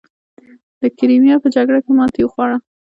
د کریمیا په جګړه کې ماتې وخوړه.